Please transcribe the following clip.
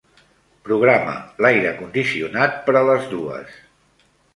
Programa l'aire condicionat per a les dues.